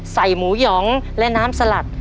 หมูหยองและน้ำสลัด